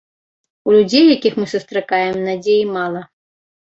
У людзей, якіх мы сустракаем, надзеі мала.